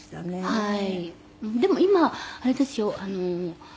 はい。